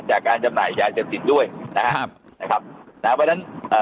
จากการจำหน่ายจ่ายเจ็บสินด้วยนะครับครับนะครับแต่เพราะฉะนั้นเอ่อ